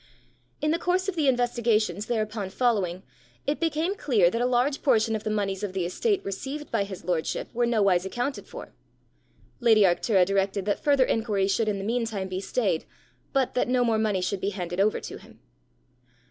In the course of the investigations thereupon following, it became clear that a large portion of the moneys of the estate received by his lordship were nowise accounted for. Lady Arctura directed that further inquiry should in the meantime be stayed, but that no more money should be handed over to him.